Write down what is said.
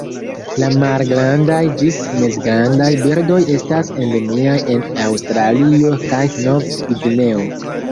La malgrandaj ĝis mezgrandaj birdoj estas endemiaj en Aŭstralio kaj Nov-Gvineo.